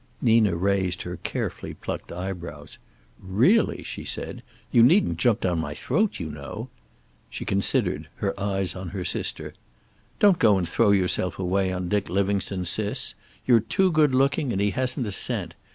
Nina raised her carefully plucked eyebrows. "Really!" she said. "You needn't jump down my throat, you know." She considered, her eyes on her sister. "Don't go and throw yourself away on Dick Livingstone, Sis. You're too good looking, and he hasn't a cent.